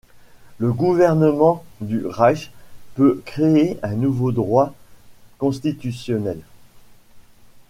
Le gouvernement du Reich peut créer un nouveau droit constitutionnel.